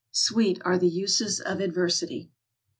" Sweet are the uses of adversity.